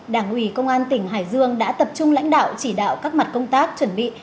đảng ủy công an tỉnh hải dương đã tập trung lãnh đạo chỉ đạo các mặt công tác chuẩn bị